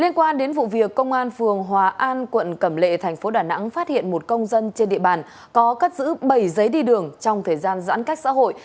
liên quan đến vụ việc công an phường hòa an quận cẩm lệ thành phố đà nẵng phát hiện một công dân trên địa bàn có cất giữ bảy giấy đi đường trong thời gian giãn cách xã hội